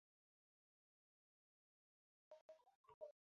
El Alcalde es la máxima autoridad administrativa y política del Cantón El Pan.